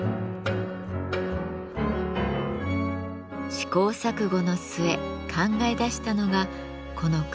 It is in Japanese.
試行錯誤の末考え出したのがこの燻製機。